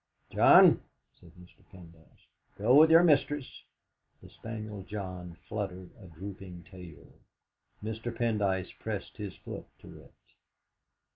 "John," said Mr. Pendyce, "go with your mistress." The spaniel John fluttered a drooping tail. Mr. Pendyce pressed his foot to it.